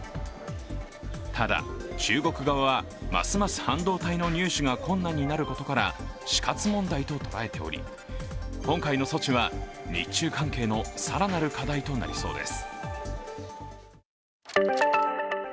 ただ、中国側はますます半導体の入手が困難になることから死活問題と捉えており今回の措置は日中関係の更なる課題となりそうです。